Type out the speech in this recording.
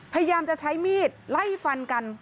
พยายามจะใช้มีดไล่ฟันกัน